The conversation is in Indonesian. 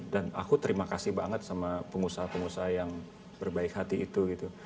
dan aku terima kasih banget sama pengusaha pengusaha yang berbaik hati itu gitu